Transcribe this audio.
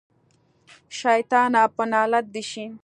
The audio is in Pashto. شيطانه په نالت شې.